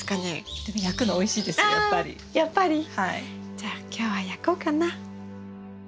じゃあ今日は焼こうかな。